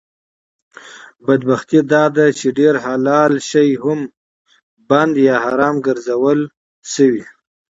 بدبختي داده چې ډېر حلال شی هم بند یا حرام ګرځول شوي